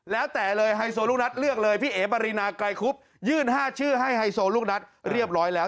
แล้วแต่เลยไฮโซลูกนัดเลือกเลยพี่เอ๋ปรินาไกรคุบยื่น๕ชื่อให้ไฮโซลูกนัดเรียบร้อยแล้ว